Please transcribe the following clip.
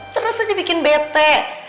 terus aja bikin bete